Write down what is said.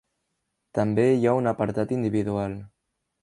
També hi ha un apartat individual.